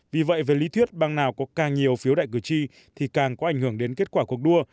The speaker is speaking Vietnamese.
vì vậy về lý thuyết bang nào có càng nhiều phiếu đại cử tri thì càng có ảnh hưởng đến kết quả cuộc đua